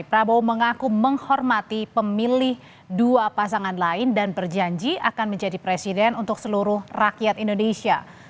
prabowo mengaku menghormati pemilih dua pasangan lain dan berjanji akan menjadi presiden untuk seluruh rakyat indonesia